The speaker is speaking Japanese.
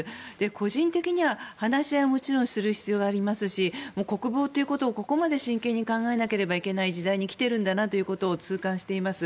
個人的には話し合いをもちろんする必要がありますし国防ということをここまで真剣に考えなければいけない時代に来ているんだと痛感しています。